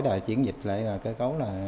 đã chuyển dịch lại cơ cấu